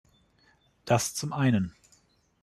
Das zum einen.